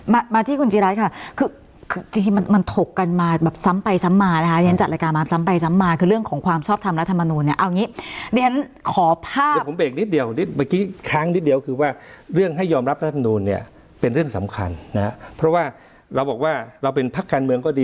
มาที่ครูนจิรัสค่ะมันเทาะกันมาแบบซ้ำไปซ้ำมานะคะ